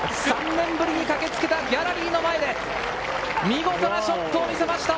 ３年ぶりに駆けつけたギャラリーの前で、見事なショットを見せつけました！